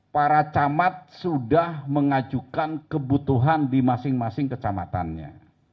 para camat sudah mengajukan kebutuhan di masing masing kecamatannya